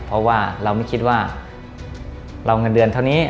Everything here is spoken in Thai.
เพราะว่าเราไม่คิดว่าเราเงินเดือนเท่านี้